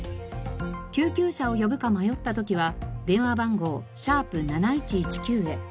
救急車を呼ぶか迷った時は電話番号「♯７１１９」へ。